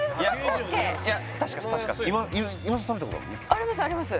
ありますあります